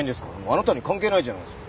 あなたに関係ないじゃないですか。